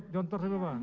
jontor sampai ke mana